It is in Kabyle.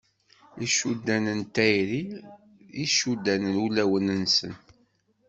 Icuddan n tayri i icudden ulawen-nsen.